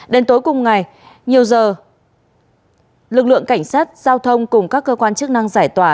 đến tối cùng ngày nhiều giờ lực lượng cảnh sát giao thông cùng các cơ quan chức năng giải tỏa